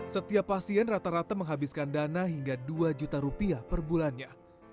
setiap pasien rata rata menghabiskan dana hingga dua juta rupiah per bulannya